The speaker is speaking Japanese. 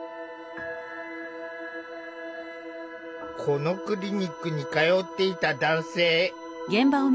このクリニックに通っていた男性。